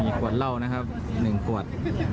มีขวดเหล้านะครับหนึ่งขวด